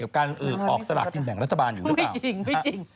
กับการอืดออกสลากทีมแบ่งรัฐบาลอยู่หรือเปล่า